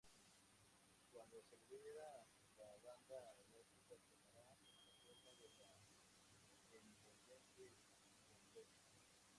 Cuando se libere la banda elástica tomará la forma de la envolvente convexa.